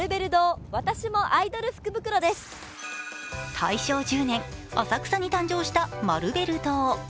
大正１０年、浅草に誕生したマルベル堂。